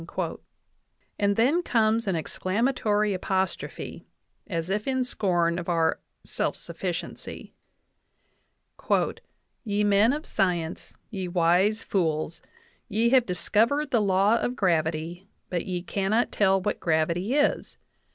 And then comes an exclamatory apostrophe, as if in scorn of our self sufficiency: "Ye men of science, ye wise fools, ye have discovered the law of gravity, but ye cannot tell what gravity is.